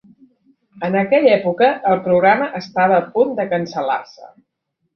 En aquella època, el programa estava a punt de cancel·lar-se.